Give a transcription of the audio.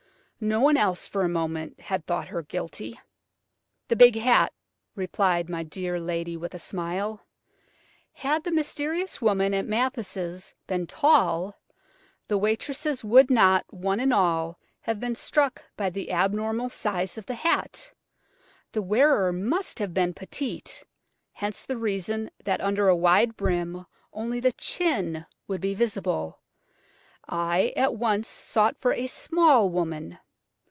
No one else for a moment had thought her guilty. "The big hat," replied my dear lady with a smile. "Had the mysterious woman at Mathis' been tall, the waitresses would not, one and all, have been struck by the abnormal size of the hat. The wearer must have been petite, hence the reason that under a wide brim only the chin would be visible. I at once sought for a small woman.